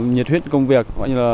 nhiệt huyết công việc